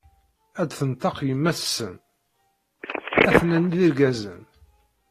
A d-tenṭeq yemma-tsen: ‘’A-ten-an d irgazen”.